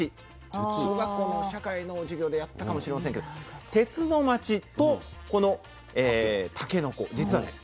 小学校の社会の授業でやったかもしれませんけど鉄の街とこのたけのこ実はね